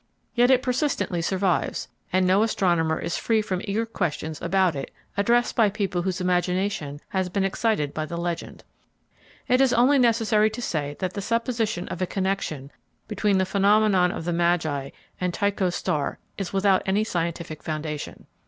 Yet it persistently survives, and no astronomer is free from eager questions about it addressed by people whose imagination has been excited by the legend. It is only necessary to say that the supposition of a connection between the phenomenon of the Magi and Tycho's star is without any scientific foundation.